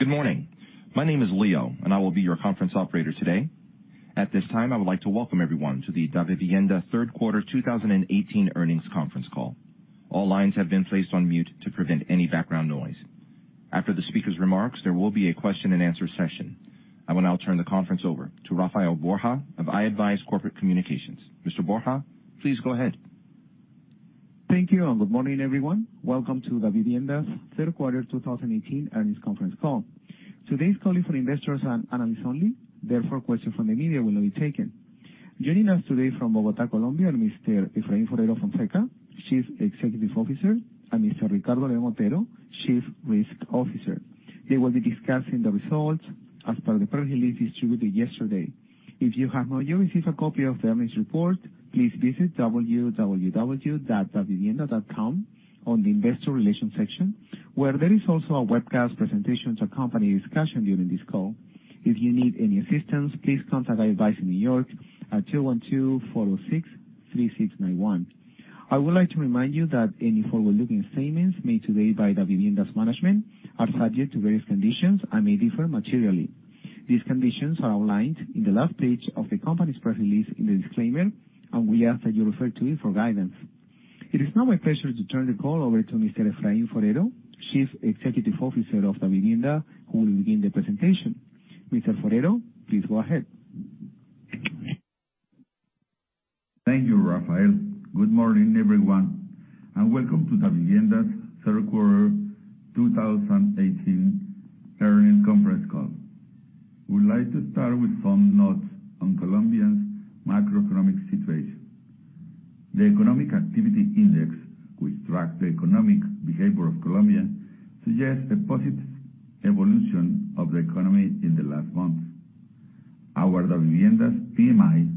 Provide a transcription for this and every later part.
Good morning. My name is Leo, and I will be your conference operator today. At this time, I would like to welcome everyone to the Davivienda third quarter 2018 earnings conference call. All lines have been placed on mute to prevent any background noise. After the speaker's remarks, there will be a question-and-answer session. I will now turn the conference over to Rafael Borja of i-advize Corporate Communications. Mr. Borja, please go ahead. Thank you, and good morning, everyone. Welcome to Davivienda's third quarter 2018 earnings conference call. Today's call is for investors and analysts only, therefore questions from the media will not be taken. Joining us today from Bogotá, Colombia, are Mr. Efraín Forero Fonseca, Chief Executive Officer, and Mr. Ricardo León, Chief Risk Officer. They will be discussing the results as per the press release distributed yesterday. If you have not yet received a copy of the earnings report, please visit www.davivienda.com on the investor relations section, where there is also a webcast presentation to accompany discussion during this call. If you need any assistance, please contact i-advize in New York at 212-406-3691. I would like to remind you that any forward-looking statements made today by Davivienda's management are subject to various conditions and may differ materially. These conditions are outlined in the last page of the company's press release in the disclaimer, and we ask that you refer to it for guidance. It is now my pleasure to turn the call over to Mr. Efraín Forero, Chief Executive Officer of Davivienda, who will begin the presentation. Mr. Forero, please go ahead. Thank you, Rafael. Good morning, everyone, and Welcome to Davivienda's third quarter 2018 earnings conference call. We would like to start with some notes on Colombia's macroeconomic situation. The economic activity index, which tracks the economic behavior of Colombia, suggests a positive evolution of the economy in the last month. Our Davivienda's PMI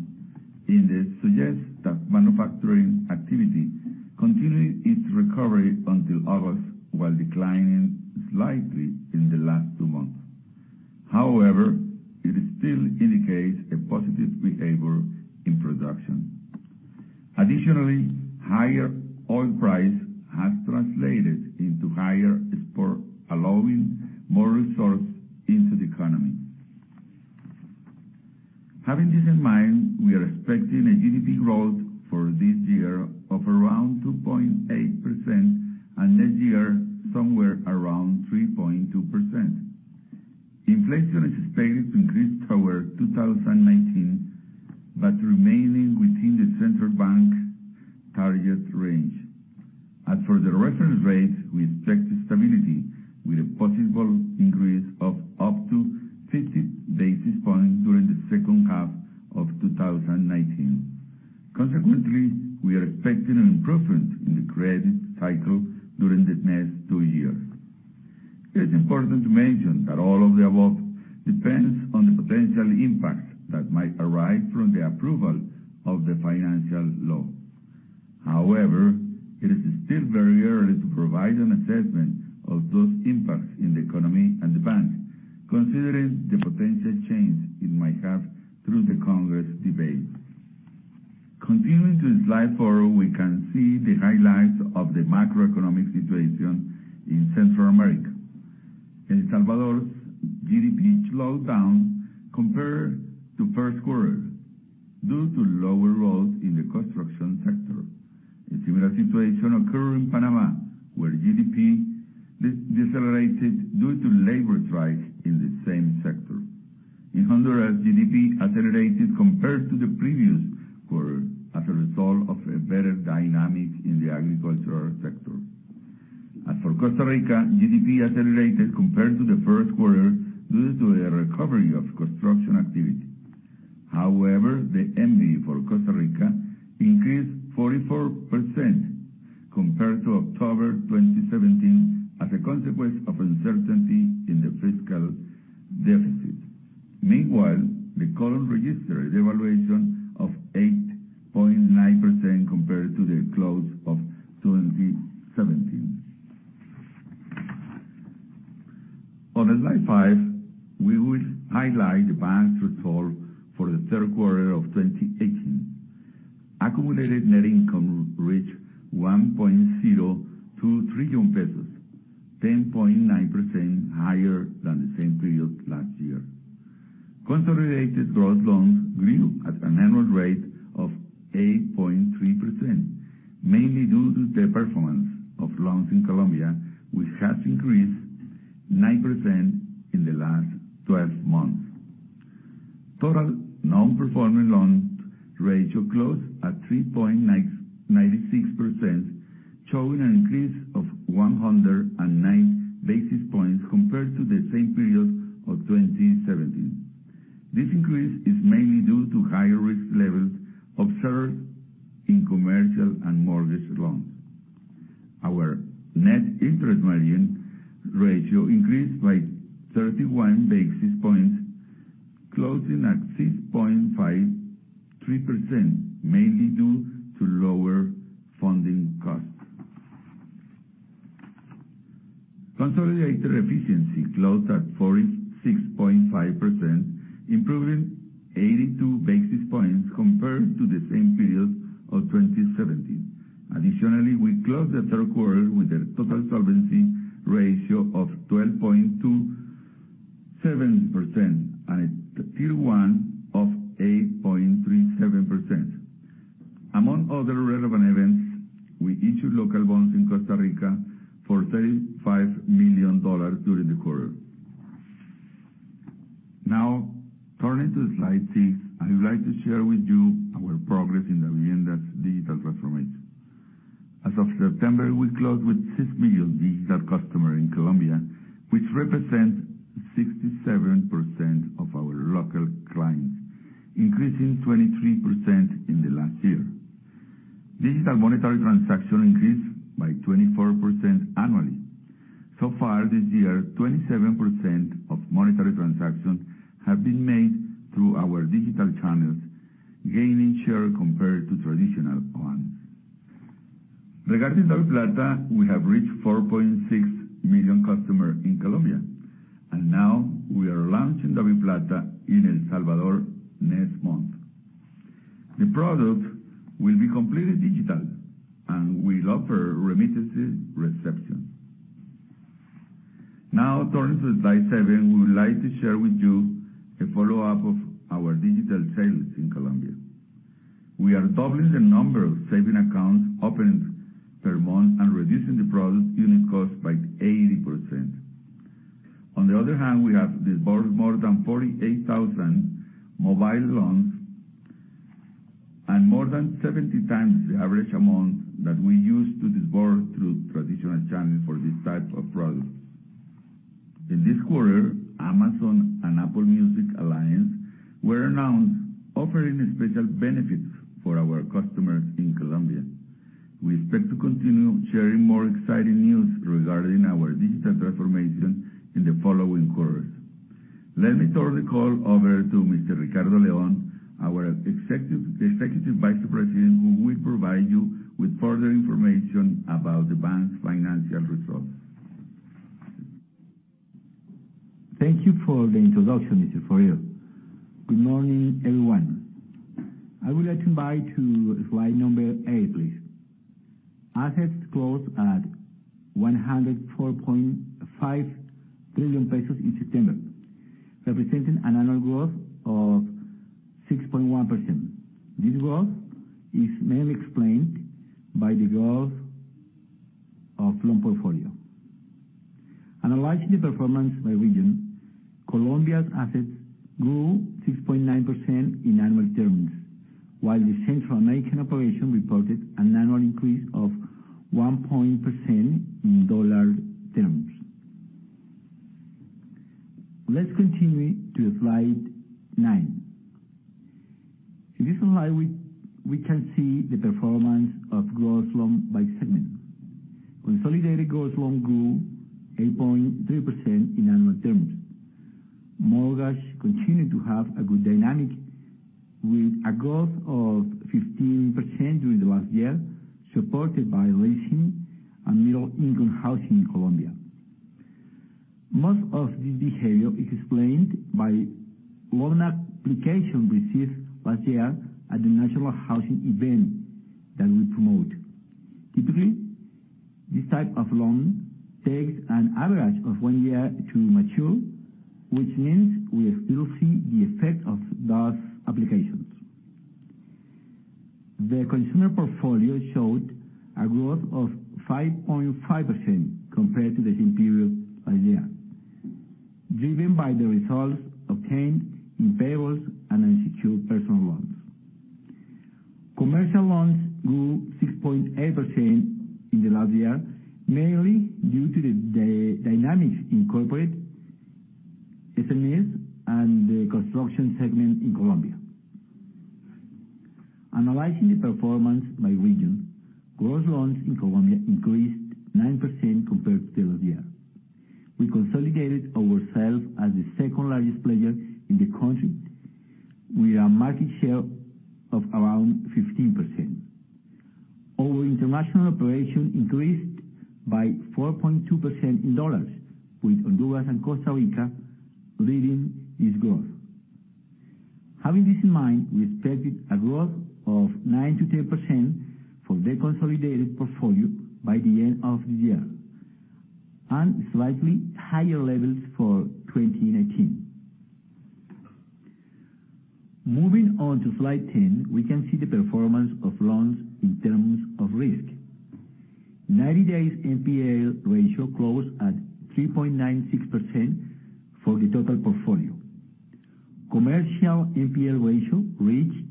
index suggests that manufacturing activity continued its recovery until August, while declining slightly in the last two months. impacts that might arise from the approval of the financing law. However, it is still very early to provide an assessment of those impacts in the economy and the bank, considering the potential change it might have through the Congress debate. Continuing to slide four, we can see the highlights of the macroeconomic situation in Central America. In El Salvador's GDP slowed down compared to first quarter due to lower growth in the construction sector. A similar situation occurred in Panama, where GDP decelerated due to labor strikes in the same sector. In Honduras, GDP accelerated compared to the previous quarter as a result of a better dynamic in the agricultural sector. As for Costa Rica, GDP accelerated compared to the first quarter due to a recovery of construction activity. However, the MD for Costa Rica increased 44% compared to October 2017 as a consequence of uncertainty in the fiscal deficit. Meanwhile, the Colón registered a devaluation of 8.9% compared to the close of 2017. On slide five, we will highlight the bank's results for the third quarter of 2018. Accumulated net income reached COP 1.02 trillion, 10.9% higher than the same period last year. Consolidated gross loans grew at an annual rate of 8.3%, mainly due to the performance of loans in Colombia, which has increased 9% in the last 12 months. Total non-performing loans ratio closed at 3.96%, showing an increase of 109 basis points compared to the same period of 2017. This increase is mainly due to higher risk levels observed in commercial and mortgage loans. Our net interest margin ratio increased by 31 basis points, closing at 6.53%, mainly due to lower funding costs. Consolidated efficiency closed at 46.5%, improving 82 basis points compared to the same period of 2017. Additionally, we closed the third quarter with a total solvency ratio of 12.27%, and tier one of 8.37%. Among other relevant events, we issued local bonds in Costa Rica for CRC 35 million during the quarter. Turning to slide six, I would like to share with you our progress in Davivienda's digital transformation. As of September, we closed with six million digital customers in Colombia, which represents 67% of our local clients, increasing 23% in the last year. Digital monetary transactions increased by 24% annually. Far this year, 27% of monetary transactions have been made through our digital channels, gaining share compared to traditional ones. Regarding DaviPlata, we have reached 4.6 million customers in Colombia, and we are launching DaviPlata in El Salvador next month. The product will be completely digital and will offer remittances reception. Turning to slide seven, we would like to share with you a follow-up of our digital trends in Colombia. We are doubling the number of saving accounts opened per month and reducing the product unit cost by 80%. On the other hand, we have disbursed more than 48,000 mobile loans and more than 70x the average amount that we used to disburse through traditional channels for this type of product. In this quarter, Amazon and Apple Music alliance were announced offering special benefits for our customers in Colombia. We expect to continue sharing more exciting news regarding our digital transformation in the following quarters. Let me turn the call over to Mr. Ricardo León, our Executive Vice President, who will provide you with further information about the bank's financial results. Thank you for the introduction, Mr. Forero. Good morning, everyone. I would like to invite to slide number eight, please. Assets closed at COP 104.5 trillion in September, representing an annual growth of 6.1%. This growth is mainly explained by the growth of loan portfolio. Analyzing the performance by region, Colombia's assets grew 6.9% in annual terms, while the Central American operation reported an annual increase of 1% in dollar terms. Let's continue to slide nine. In this slide, we can see the performance of gross loans by segment. Consolidated gross loans grew 8.3% in annual terms. Mortgages continue to have a good dynamic with a growth of 15% during the last year, supported by leasing and middle-income housing in Colombia. Most of this behavior is explained by loan applications received last year at the national housing event that we promote. Typically, this type of loan takes an average of one year to mature, which means we still see the effect of those applications. The consumer portfolio showed a growth of 5.5% compared to the same period last year, driven by the results obtained in payables and unsecured personal loans. Commercial loans grew 6.8% in the last year, mainly due to the dynamics in corporate, SMEs, and the construction segment in Colombia. Analyzing the performance by region, gross loans in Colombia increased 9% compared to last year. We consolidated ourselves as the second largest player in the country, with a market share of around 15%. Our international operation increased by 4.2% in dollars, with Honduras and Costa Rica leading this growth. Having this in mind, we expect a growth of 9%-10% for the consolidated portfolio by the end of the year, and slightly higher levels for 2019. Moving on to slide 10, we can see the performance of loans in terms of risk. 90-day NPL ratio closed at 3.96% for the total portfolio. Commercial NPL ratio reached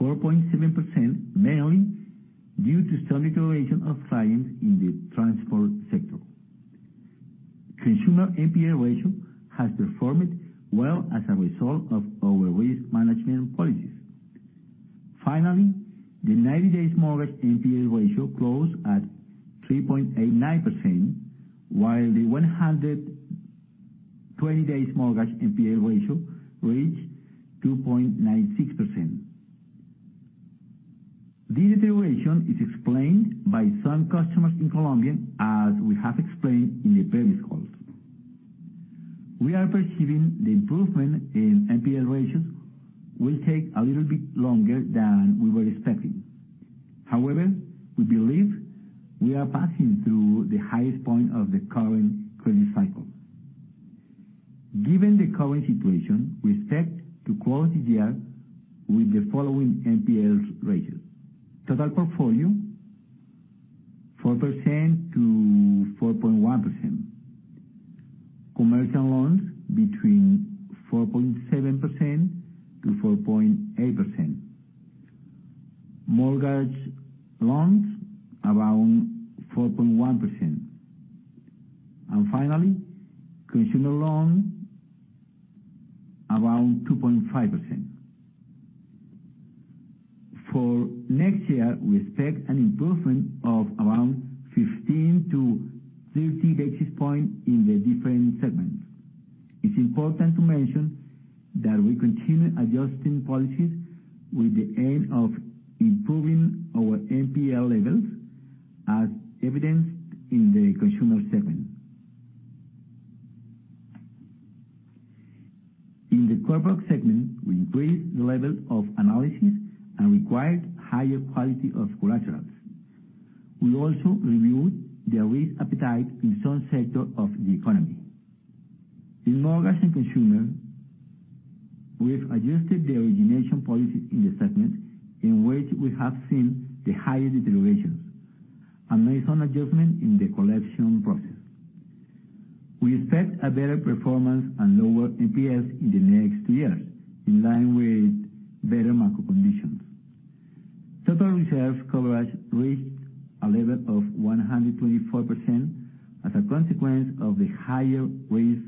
4.7%, mainly due to some deterioration of finance in the transport sector. Consumer NPL ratio has performed well as a result of our risk management policies. Finally, the 90-day mortgage NPL ratio closed at 3.89%, while the 120-day mortgage NPL ratio reached 2.96%. This deterioration is explained by some customers in Colombia, as we have explained in the previous calls. We are perceiving the improvement in NPL ratios will take a little bit longer than we were expecting. However, we believe we are passing through the highest point of the current credit cycle. Given the current situation, we expect to close the year with the following NPLs ratios. Total portfolio, 4%-4.1%. Commercial loans between 4.7%-4.8%. Mortgage loans around 4.1%. Finally, consumer loan around 2.5%. For next year, we expect an improvement of around 15-30 basis points in the different segments. It's important to mention that we continue adjusting policies with the aim of improving our NPL levels, as evidenced in the consumer segment. In the corporate segment, we increased the level of analysis and required higher quality of collaterals. We also reviewed the risk appetite in some sectors of the economy. In mortgage and consumer, we have adjusted the origination policy in the segment in which we have seen the highest deterioration and made some adjustments in the collection process. We expect a better performance and lower NPLs in the next two years, in line with better macro conditions. Total reserve coverage reached a level of 124% as a consequence of the higher risk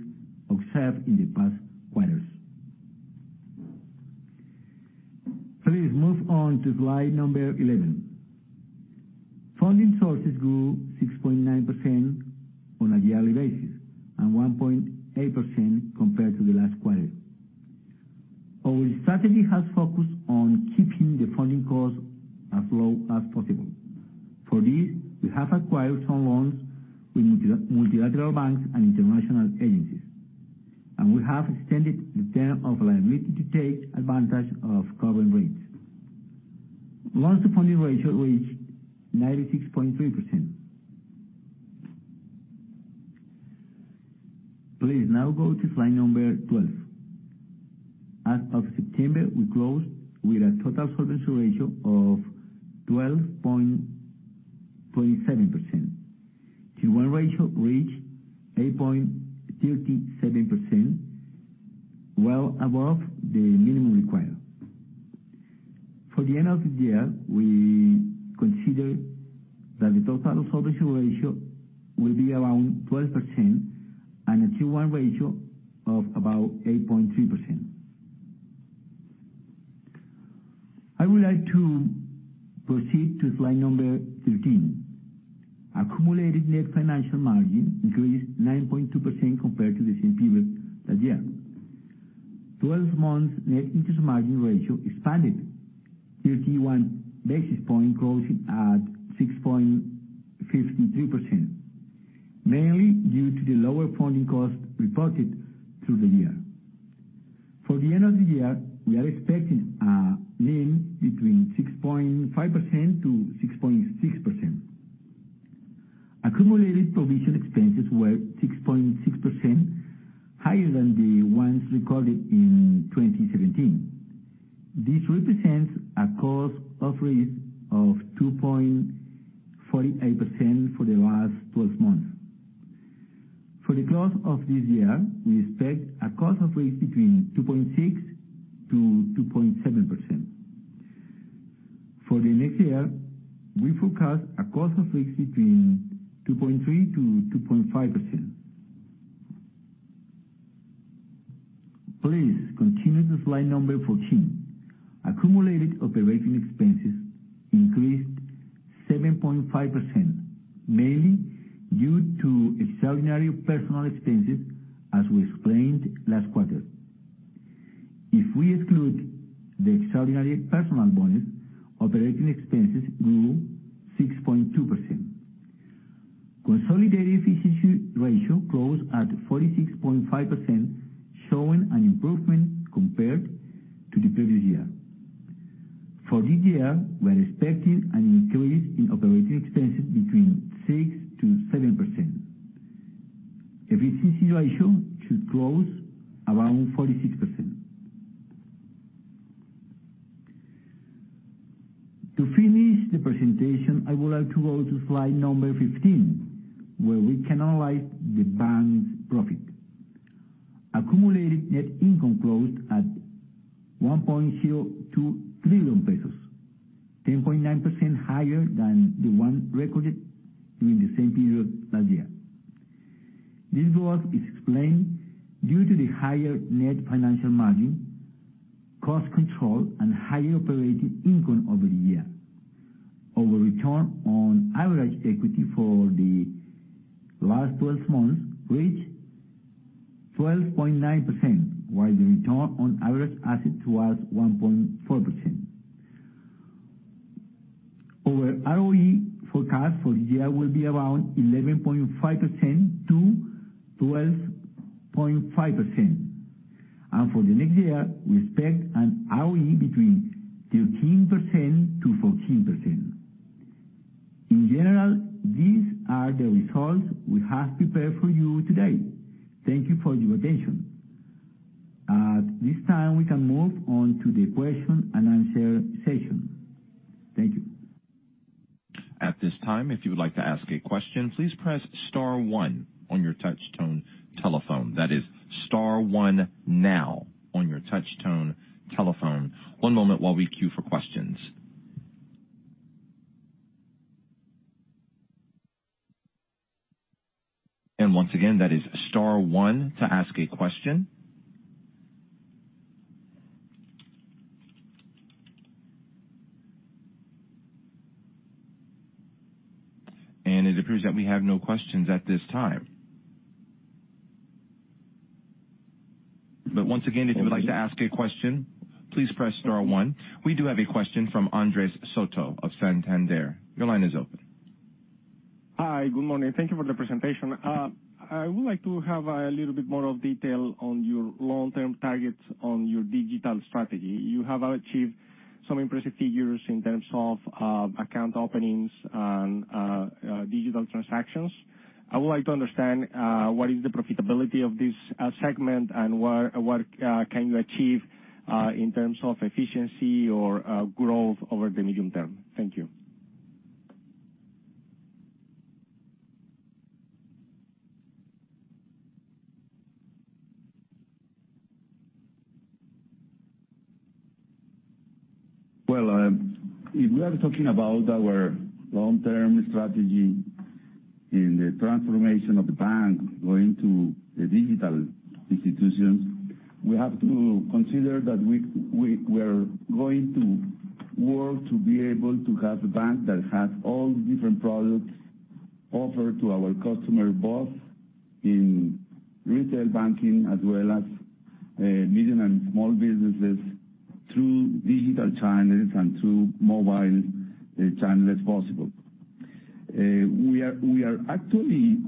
observed in the past quarters. Please move on to slide number 11. Funding sources grew 6.9% on a yearly basis and 1.8% compared to the last quarter. Our strategy has focused on keeping the funding cost as low as possible. For this, we have acquired some loans with multilateral banks and international agencies, and we have extended the term of liability to take advantage of current rates. Loans-to-funding ratio reached 96.3%. Please now go to slide number 12. As of September, we closed with a total solvency ratio of 12.7%. Tier 1 ratio reached 8.37%, well above the minimum required. For the end of the year, we consider that the total solvency ratio will be around 12% and a tier one ratio of about 8.3%. I would like to proceed to slide number 13. Accumulated net financial margin increased 9.2% compared to the same period last year. 12 months net interest margin ratio expanded 31 basis points, closing at 6.53%, mainly due to the lower funding cost reported through the year. For the end of the year, we are expecting a NIM between 6.5%-6.6%. Accumulated provision expenses were 6.6% higher than the ones recorded in 2017. This represents a cost of risk of 2.48% for the last 12 months. For the close of this year, we expect a cost of risk between 2.6%-2.7%. For the next year, we forecast a cost of risk between 2.3%-2.5%. Please continue to slide number 14. Accumulated operating expenses increased 7.5%, mainly due to extraordinary personal expenses, as we explained last quarter. If we exclude the extraordinary personal bonus, operating expenses grew 6.2%. Consolidated efficiency ratio closed at 46.5%, showing an improvement compared to the previous year. For this year, we are expecting an increase in operating expenses between 6%-7%. Efficiency ratio should close around 46%. To finish the presentation, I would like to go to slide number 15, where we can analyze the bank's profit. Accumulated net income closed at COP 1.02 trillion, 10.9% higher than the one recorded during the same period last year. This growth is explained due to the higher net financial margin, cost control, and higher operating income over the year. Our return on average equity for the last 12 months reached 12.9%, while the return on average asset was 1.4%. Our ROE forecast for this year will be around 11.5%-12.5%. For the next year, we expect an ROE between 13%-14%. In general, these are the results we have prepared for you today. Thank you for your attention. At this time, we can move on to the question-and-answer session. Thank you. At this time, if you would like to ask a question, please press star one on your touchtone telephone. That is star one now on your touchtone telephone. One moment while we queue for questions. Once again, that is star one to ask a question. It appears that we have no questions at this time. Once again- Okay If you would like to ask a question, please press star one. We do have a question from Andres Soto of Santander Investment Securities. Your line is open. Hi. Good morning. Thank you for the presentation. I would like to have a little bit more detail on your long-term targets on your digital strategy. You have achieved some impressive figures in terms of account openings and digital transactions. I would like to understand what is the profitability of this segment, and what can you achieve in terms of efficiency or growth over the medium term. Thank you. If we are talking about our long-term strategy in the transformation of the bank going to a digital institution, we have to consider that we're going to work to be able to have a bank that has all the different products offered to our customer, both in retail banking as well as medium and small businesses, through digital channels and through mobile channels possible. We are actually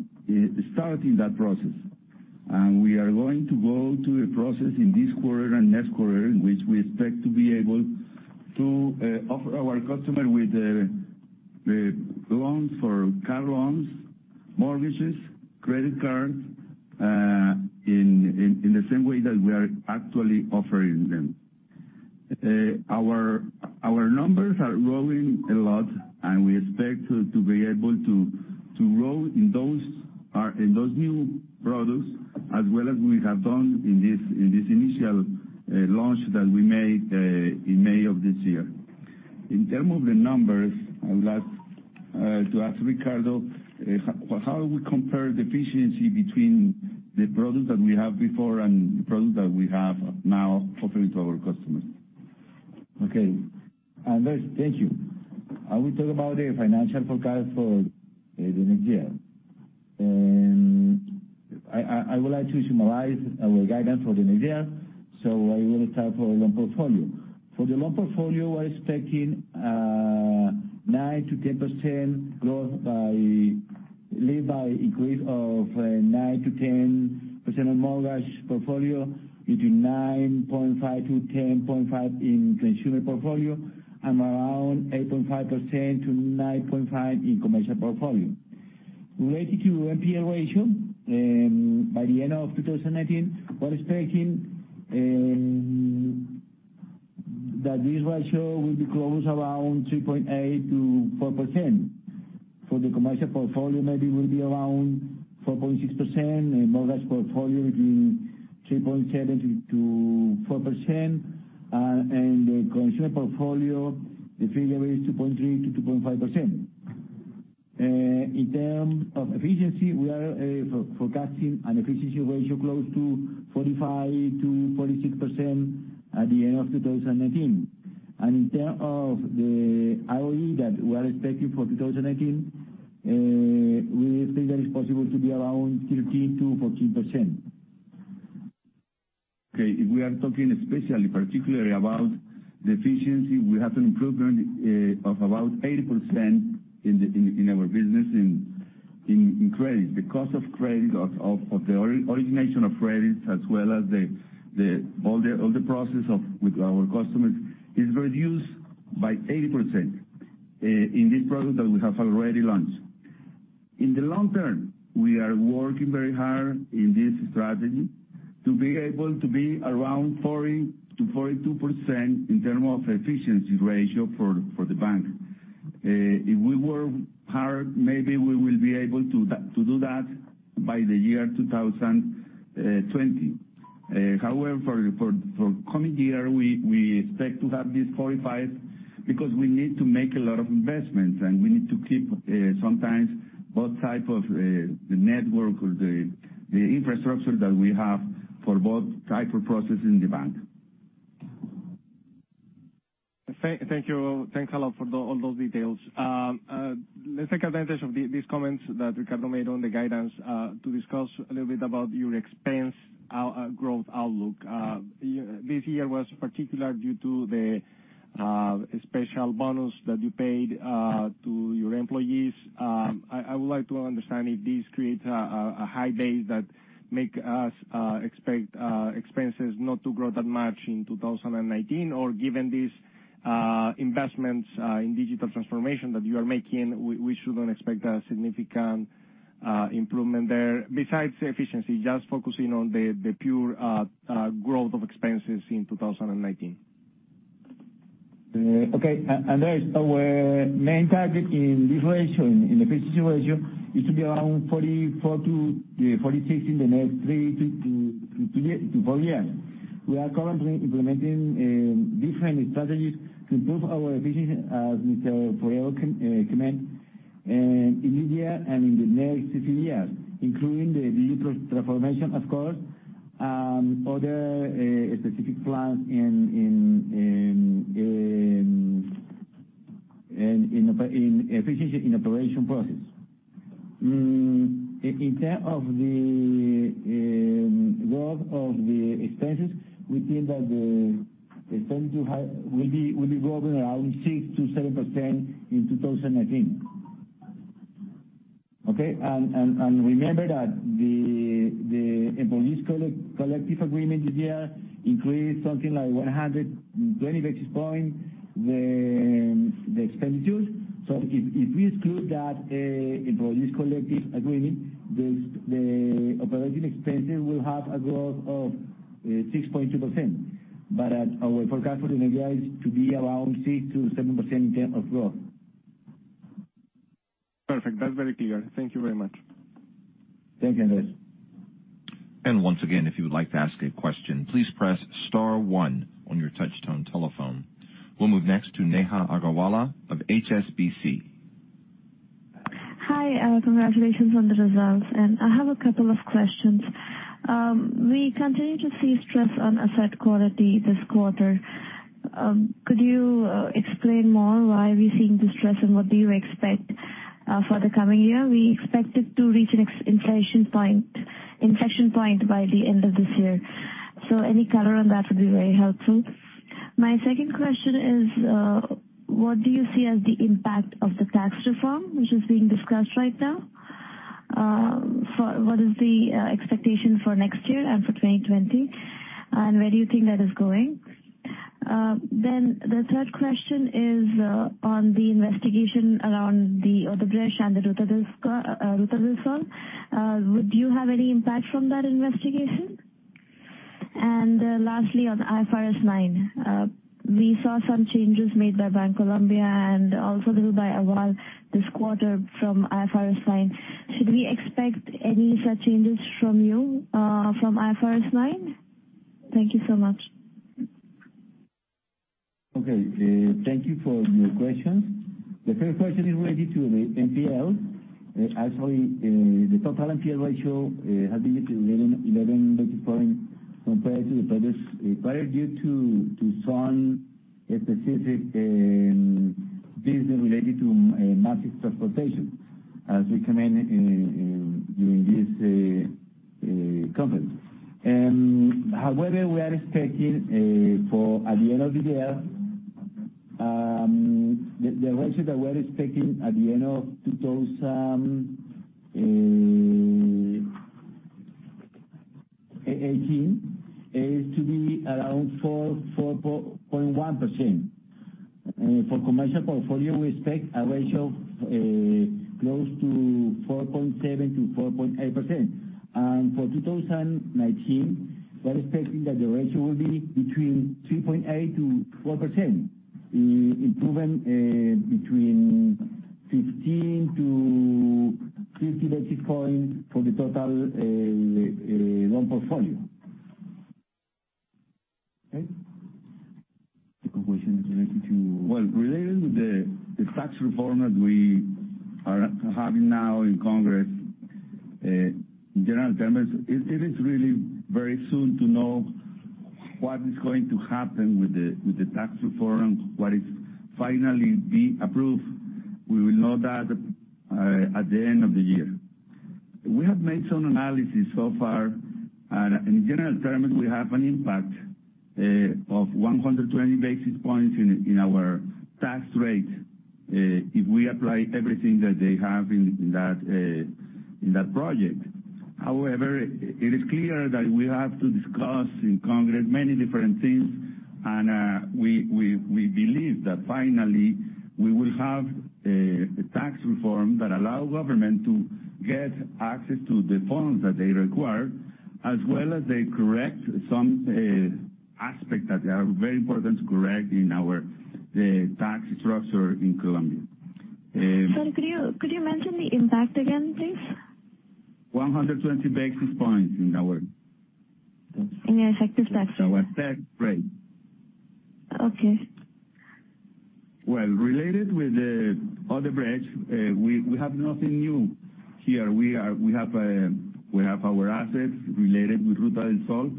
starting that process, and we are going to go to a process in this quarter and next quarter, in which we expect to be able to offer our customer with the loans for car loans, mortgages, credit cards, in the same way that we are actually offering them. Our numbers are growing a lot, we expect to be able to grow in those new products as well as we have done in this initial launch that we made in May of this year. In terms of the numbers, I would like to ask Ricardo, how we compare the efficiency between the products that we had before and the products that we have now offering to our customers. Okay. Andres, thank you. I will talk about the financial forecast for the next year. I would like to summarize our guidance for the next year. For the loan portfolio, we're expecting a 9%-10% growth, led by growth of 9%-10% on mortgage portfolio, between 9.5%-10.5% in consumer portfolio, and around 8.5%-9.5% in commercial portfolio. Related to NPL ratio, by the end of 2019, we're expecting that this ratio will be close around 3.8%-4%. For the commercial portfolio, maybe it will be around 4.6%, and mortgage portfolio between 3.7%-4%, and the consumer portfolio, the figure is 2.3%-2.5%. In terms of efficiency, we are forecasting an efficiency ratio close to 45%-46% at the end of 2019. In terms of the ROE that we are expecting for 2019, we think that it's possible to be around 13%-14%. If we are talking especially, particularly about the efficiency, we have an improvement of about 80% in our business in credit. The cost of credit, of the origination of credit, as well as all the process with our customers, is reduced by 80% in this product that we have already launched. In the long term, we are working very hard in this strategy to be able to be around 40%-42% in terms of efficiency ratio for the bank. If we work hard, maybe we will be able to do that by the year 2020. However, for coming year, we expect to have this 45% because we need to make a lot of investments, and we need to keep sometimes both type of the network or the infrastructure that we have for both type of process in the bank. Thank you. Thanks a lot for all those details. Let's take advantage of these comments that Ricardo made on the guidance to discuss a little bit about your expense growth outlook. This year was particular due to the special bonus that you paid to your employees. I would like to understand if this creates a high base that make us expect expenses not to grow that much in 2019, or given these investments in digital transformation that you are making, we shouldn't expect a significant improvement there. Besides efficiency, just focusing on the pure growth of expenses in 2019. There is our main target in this ratio, in efficiency ratio, is to be around 44%-46% in the next three to four years. We are currently implementing different strategies to improve our efficiency, as Mr. Forero comment, in this year and in the next three years, including the digital transformation, of course, other specific plans in efficiency in operation process. In terms of the growth of the expenses, we think that the expenditure will be growing around 6%-7% in 2019. Okay? Remember that the employees collective agreement this year increased something like 120 basis points the expenditures. If we exclude that employees collective agreement, the operating expenses will have a growth of 6.2%. Our forecast for the year is to be around 6%-7% in terms of growth. Perfect. That's very clear. Thank you very much. Thank you, Andres. Once again, if you would like to ask a question, please press star one on your touch tone telephone. We'll move next to Neha Agarwala of HSBC. Hi. Congratulations on the results. I have a couple of questions. We continue to see stress on asset quality this quarter. Could you explain more why we're seeing this stress, and what do you expect for the coming year? We expect it to reach an inflection point by the end of this year. Any color on that would be very helpful. My second question is, what do you see as the impact of the tax reform, which is being discussed right now? What is the expectation for next year and for 2020, and where do you think that is going? The third question is on the investigation around the Odebrecht and the Ruta del Sol. Would you have any impact from that investigation? Lastly, on IFRS 9, we saw some changes made by Bancolombia, and also little by Aval this quarter from IFRS 9. Should we expect any such changes from you from IFRS 9? Thank you so much. Okay. Thank you for your questions. The first question related to the NPL. Actually, the total NPL ratio has been at 11 basis points compared to the previous quarter due to some specific business related to massive transportation, as we comment during this conference. However, we are expecting for at the end of the year, the ratio that we're expecting at the end of 2018 is to be around 4.1%. For commercial portfolio, we expect a ratio close to 4.7%-4.8%. For 2019, we're expecting that the ratio will be between 3.8%-4%, improving between 15-50 basis points for the total loan portfolio. Okay. The question is related to. Well, related with the tax reform that we are having now in Congress, in general terms, it is really very soon to know what is going to happen with the tax reform, what is finally being approved. We will know that at the end of the year. We have made some analysis so far. In general terms, we have an impact of 120 basis points in our tax rate if we apply everything that they have in that project. However, it is clear that we have to discuss in Congress many different things, and we believe that finally we will have a tax reform that allow government to get access to the funds that they require, as well as they correct some aspect that are very important to correct in our tax structure in Colombia. Sorry, could you mention the impact again, please? 120 basis points in our In the effective tax rate. In our tax rate. Okay. Related with the Odebrecht, we have nothing new here. We have our assets related with Ruta del Sol,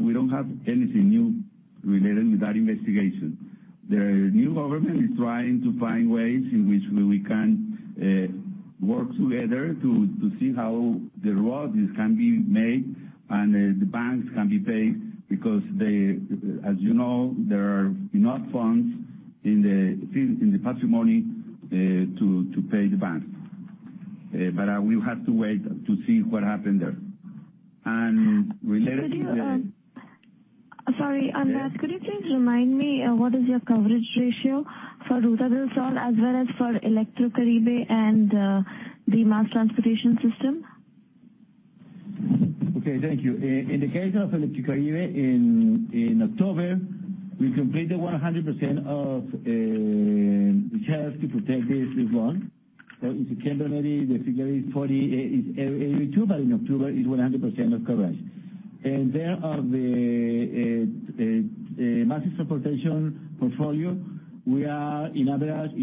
we don't have anything new related with that investigation. The new government is trying to find ways in which we can work together to see how the road can be made and the banks can be paid because, as you know, there are not funds in the patrimony to pay the banks. We'll have to wait to see what happens there. Related to the. Sorry, could you please remind me what is your coverage ratio for Ruta del Sol as well as for Electricaribe and the mass transportation system? Okay, thank you. In the case of Electricaribe, in October, we completed 100% of charges to protect this loan. In September, the figure is 82, but in October is 100% of coverage. Of the mass transportation portfolio, we are on average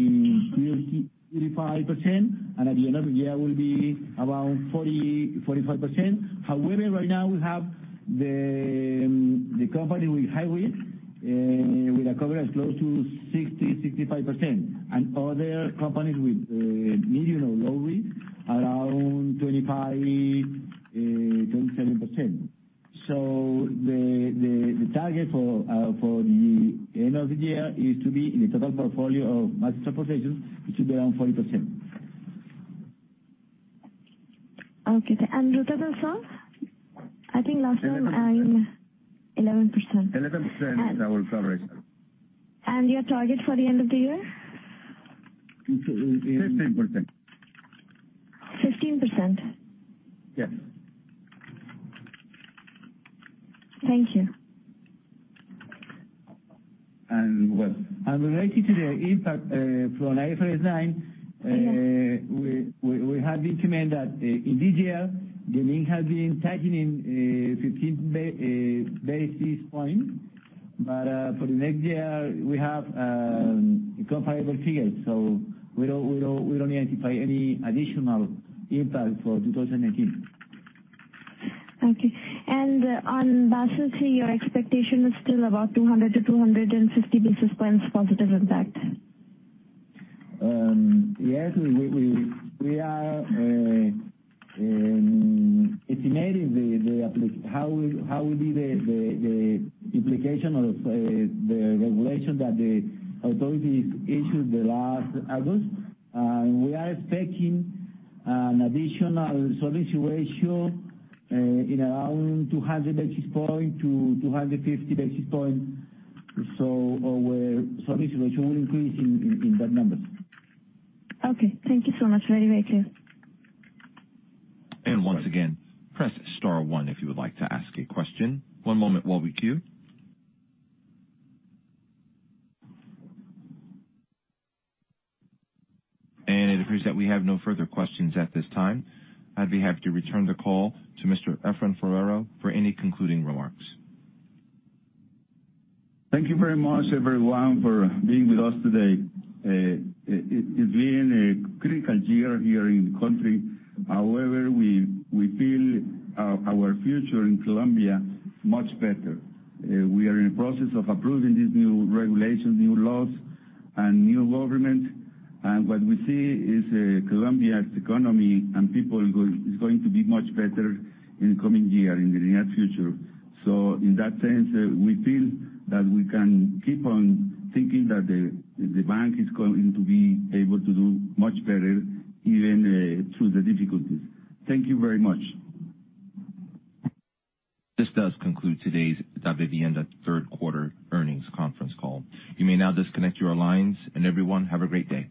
35%, and at the end of the year will be around 40%-45%. Right now we have the company with high risk with a coverage close to 60%-65%, and other companies with medium or low risk around 25%-27%. The target for the end of the year is to be in the total portfolio of mass transportation, it should be around 40%. Okay. Ruta del Sol? 11%. 11%. 11% is our coverage. Your target for the end of the year? 15%. 15%? Yes. Thank you. Related to the impact from IFRS 9? Yeah We have determined that in this year, the link has been tallying in 15 basis points. For the next year, we have a comparable figure. We don't identify any additional impact for 2018. Okay. On Basel III, your expectation is still about 200-250 basis points positive impact. Yes. We are estimating how will be the implication of the regulation that the authorities issued the last August. We are expecting an additional solvency ratio in around 200-250 basis points. Our solvency ratio will increase in that number. Okay. Thank you so much. Very clear. Once again, press star one if you would like to ask a question. One moment while we queue. It appears that we have no further questions at this time. I'd be happy to return the call to Mr. Efraín Forero for any concluding remarks. Thank you very much, everyone, for being with us today. It's been a critical year here in the country. However, we feel our future in Colombia much better. We are in the process of approving these new regulations, new laws, and new government. What we see is Colombia's economy and people is going to be much better in the coming year, in the near future. In that sense, we feel that we can keep on thinking that the bank is going to be able to do much better, even through the difficulties. Thank you very much. This does conclude today's Davivienda third quarter earnings conference call. You may now disconnect your lines, and everyone, have a great day.